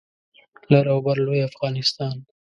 لر او بر لوی افغانستان